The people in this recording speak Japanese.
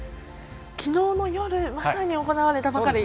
昨日の夜まさに行われたばかり。